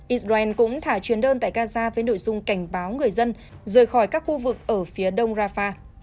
israel cũng thả chuyến đơn tại gaza với nội dung cảnh báo người dân rời khỏi các khu vực ở phía đông rafah